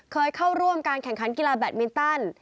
เคยเข้าร่วมการแข่งขันกีฬาแบตมินตัน